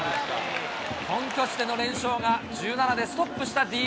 本拠地での連勝が１７でストップしたＤｅＮＡ。